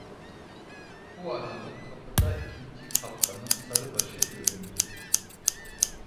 Bu aralık kapıda ikinci kaptanın sarı başı göründü: